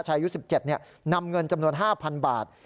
ชายวัย๑๗เนี่ยนำเงินจำนวน๕๐๐๐บาท